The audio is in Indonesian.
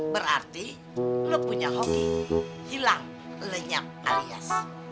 berarti lo punya hoki hilang lenyap alias